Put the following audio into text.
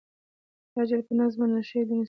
دالله ج په نزد منل شوى دين اسلام دى.